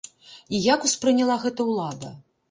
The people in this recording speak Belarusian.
І як успрыняла гэта ўлада?